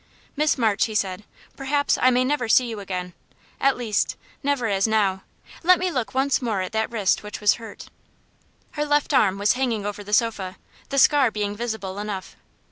"Miss March," he said, "perhaps I may never see you again at least, never as now. Let me look once more at that wrist which was hurt." Her left arm was hanging over the sofa the scar being visible enough.